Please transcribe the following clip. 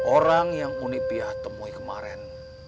orang yang uni biar temui kemarin